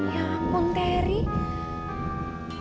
ya ampun terry